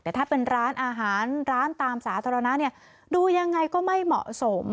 แต่ถ้าเป็นร้านอาหารร้านตามสาธารณะดูยังไงก็ไม่เหมาะสม